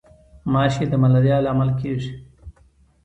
ماشي د ملاریا لامل کیږي